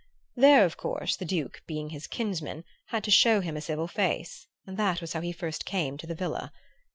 There, of course, the Duke, being his kinsman, had to show him a civil face; and that was how he first came to the villa.